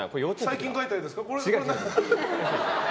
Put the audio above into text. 最近描いた絵ですか？